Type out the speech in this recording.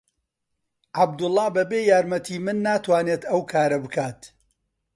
عەبدوڵڵا بەبێ یارمەتیی من ناتوانێت ئەوە بکات.